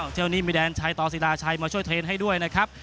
เที่ยวนี้มีแดนชัยต่อศิลาชัยมาช่วยเทรนด์ให้ด้วยนะครับ